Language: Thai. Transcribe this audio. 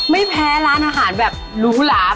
ไม่แพ้ร้านอาหารแบบศึกษา